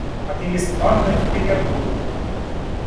Отъезд Анны в Петербург.